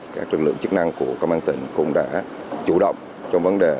các lực lượng chức năng của công an tỉnh cũng đã chủ động trong vấn đề